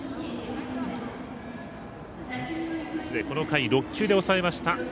この回６球で抑えました。